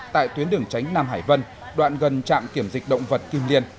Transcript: tại tuyến đường tránh nam hải vân đoạn gần trạm kiểm dịch động vật kim liên